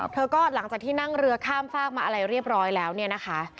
เธอก็หลังจากที่นั่งเรือข้ามฝากมาอะไรเรียบร้อยแล้วเนี่ยนะคะ